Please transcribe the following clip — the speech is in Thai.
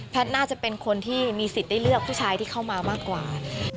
น่าจะเป็นคนที่มีสิทธิ์ได้เลือกผู้ชายที่เข้ามามากกว่า